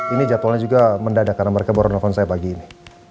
ini jadwalnya juga mendadak karena mereka baru nelfon saya pagi ini